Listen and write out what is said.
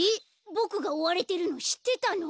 ボクがおわれてるのしってたの？